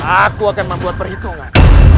aku akan membuat perhitungan